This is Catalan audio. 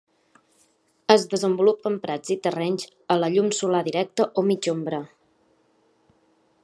Es desenvolupa en prats i terrenys a la llum solar directa o mitja ombra.